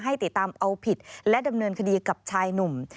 ให้ติดตามเอาผิดและดำเนินคดีกับชายหนุ่ม